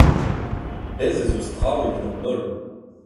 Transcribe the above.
Bez' ez eus traoù evit an holl !